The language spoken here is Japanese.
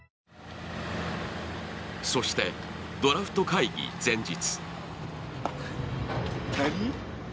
そして、ドラフト会議前日。